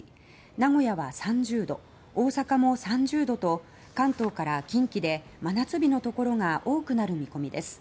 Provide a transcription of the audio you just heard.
名古屋は３０度大阪も３０度と関東から近畿で真夏日のところが多くなる見込みです。